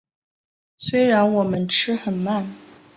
虽然我们吃很慢